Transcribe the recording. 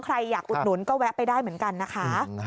ใครอยากอุดหนุนก็แวะไปได้เหมือนกันนะคะ